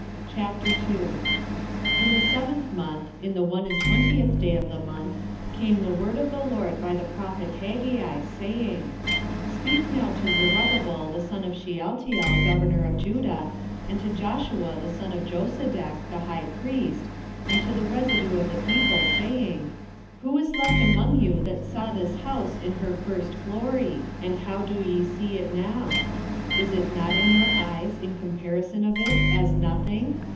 2:1 In the seventh month, in the one and twentieth day of the month, came the word of the LORD by the prophet Haggai, saying, 2:2 Speak now to Zerubbabel the son of Shealtiel, governor of Judah, and to Joshua the son of Josedech, the high priest, and to the residue of the people, saying, 2:3 Who is left among you that saw this house in her first glory? and how do ye see it now? is it not in your eyes in comparison of it as nothing?